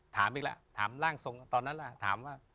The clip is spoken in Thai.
ถามอีกแล้วถามร่างทรงตอนนั้นล่ะถามว่า